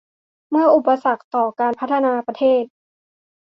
เป็นอุปสรรคต่อการพัฒนาประเทศ